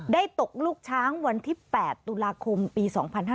ตกลูกช้างวันที่๘ตุลาคมปี๒๕๕๙